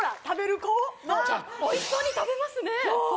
食べる子のおいしそうに食べますね